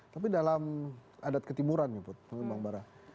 tapi dalam adat ketimuran bang bara